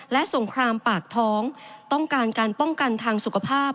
และสงครามปากท้องต้องการการป้องกันทางสุขภาพ